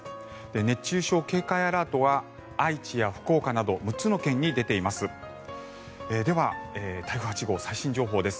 熱中症警戒アラートは愛知や福岡など６つの県に出ています。